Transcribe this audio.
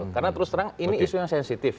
karena terus terang ini isu yang sensitif